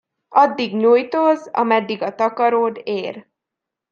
Addig nyújtózz, ameddig a takaród ér.